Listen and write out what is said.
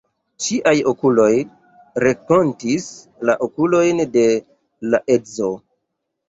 Ŝiaj okuloj renkontis la okulojn de l' edzo.